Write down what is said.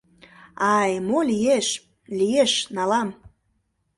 А-ай, мо лиеш — лиеш, налам.